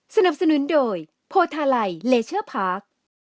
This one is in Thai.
สนับสนุนโดยโพทาไลเลเชอร์พาร์ค